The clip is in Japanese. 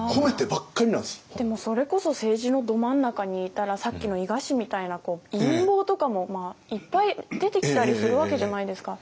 でもそれこそ政治のど真ん中にいたらさっきの伊賀氏みたいな陰謀とかもいっぱい出てきたりするわけじゃないですか。